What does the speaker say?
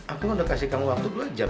aku udah kasih kamu waktu dua jam